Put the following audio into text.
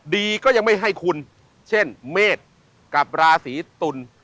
ดีก็ยังไม่ให้คุณเช่นเมษกับราศีตุล